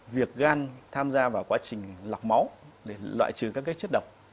việc gan tham gia vào quá trình lọc máu để loại trừ các chất độc